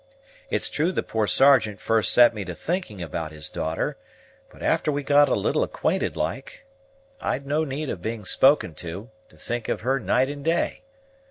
It's true the poor Sergeant first set me to thinking about his daughter; but after we got a little acquainted like, I'd no need of being spoken to, to think of her night and day.